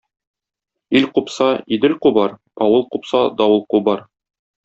Ил купса, идел кубар, авыл купса, давыл кубар.